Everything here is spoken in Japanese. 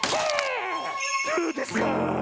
どぅですか